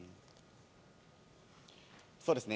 そうですね。